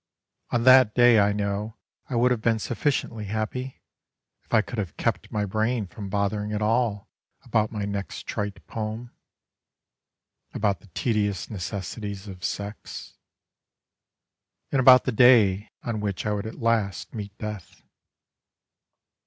On that day I know I would have been sufficiently happy, If I could have kept my brain from bothering at all About my next trite poem; About the tedious necessities of sex; And about the day on which I would at last meet death.